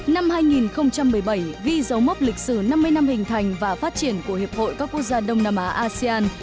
năm hai nghìn một mươi bảy ghi dấu mốc lịch sử năm mươi năm hình thành và phát triển của hiệp hội các quốc gia đông nam á asean